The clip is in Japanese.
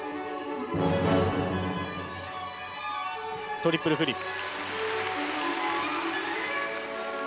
トリプルフリップ。